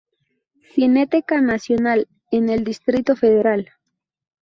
Cineteca Nacional en el Distrito Federal.